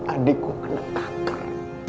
adikku kena kanker